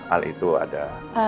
al itu ada